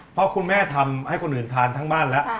เพราะคุณแม่ทำให้คนอื่นทานทั้งบ้านแล้ว